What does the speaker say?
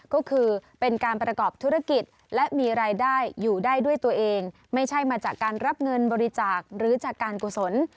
ก็คือเป็นการประกอบธุรกิจและมีรายได้อยู่ได้ด้วยตัวเองไม่ใช่มาจากการรับเงินบริจาคหรือจากการกุศล